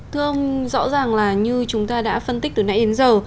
thưa ông rõ ràng là như chúng ta đã phân tích từ nãy đến giờ